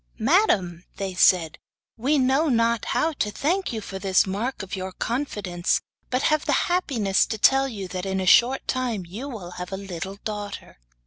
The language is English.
'Madam,' they said, 'we know not how to thank you for this mark of your confidence, but have the happiness to tell you that in a short time you will have a little daughter.